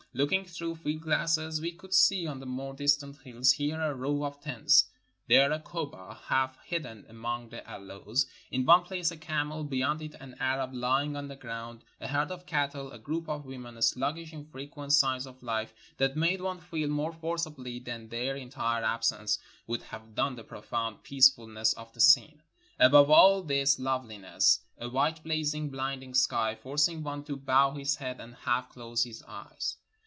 Looking through field glasses we could see on the more distant hills here a row of tents, there a kubba half hidden among the aloes ; in one place a camel, beyond it an Arab lying on the ground, a herd of cattle, a group of women; sluggish, infrequent signs of life, that made one feel more forcibly than their entire absence would have done the profound peacefulness of the scene. Above all this loveHness a white, blazing, blinding sky, forcing one to bow his head and half close his eyes.